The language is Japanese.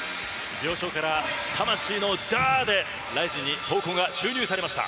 病床から、魂のダーッ！でＲＩＺＩＮに闘魂が注入されました。